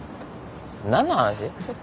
何の話？